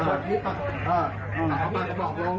ก็กัดท่าแหละพี่เขาก็ไม่ว่ามันจะลั่ง